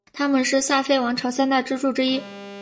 他们是萨非王朝三大支柱之一。